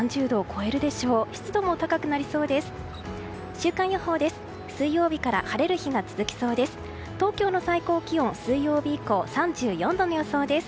週間予報です。